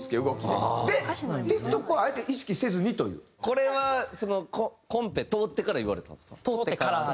これはコンペ通ってから言われたんですか？